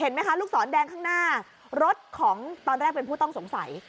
ไหมคะลูกศรแดงข้างหน้ารถของตอนแรกเป็นผู้ต้องสงสัย